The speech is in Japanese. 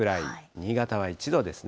新潟は１度ですね。